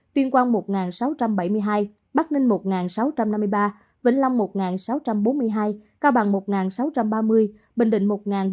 tuyên quang một sáu trăm bảy mươi hai bắc ninh một sáu trăm năm mươi ba vĩnh long một sáu trăm bốn mươi hai cao bằng một sáu trăm ba mươi bình định một bốn trăm ba mươi bảy